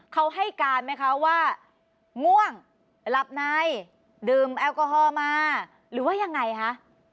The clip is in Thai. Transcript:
เขาให้การไหมคะว่าง่วงหลับในดื่มแอลกอฮอล์มาหรือว่ายังไงคะ